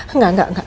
enggak enggak enggak